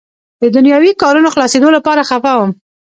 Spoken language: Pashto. د دنیاوي کارونو خلاصېدو لپاره خفه وم.